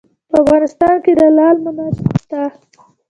په افغانستان کې د لعل منابع شته.